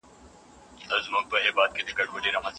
د شعر ژبه تر نثر زياته عاطفي ده.